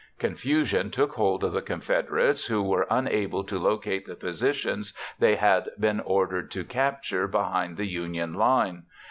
Confusion took hold of the Confederates who were unable to locate the positions they had been ordered to capture behind the Union line.